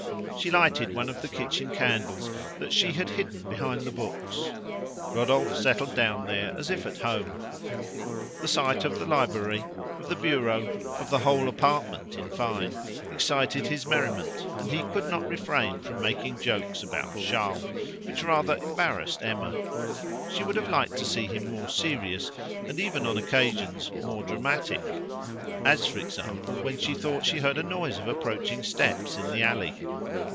She lighted one of the kitchen candles that she had hidden behind the books. Rodolphe settled down there as if at home. The sight of the library, of the bureau, of the whole apartment, in fine, excited his merriment, and he could not refrain from making jokes about Charles, which rather embarrassed Emma. She would have liked to see him more serious, and even on occasions more dramatic; as, for example, when she thought she heard a noise of approaching steps in the alley.